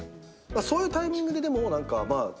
そういうタイミングででも何かまあ。